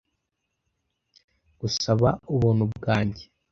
gusaba ubuntu bwanjye